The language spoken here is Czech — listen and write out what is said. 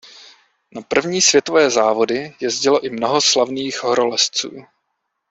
Na první světové závody jezdilo i mnoho slavných horolezců.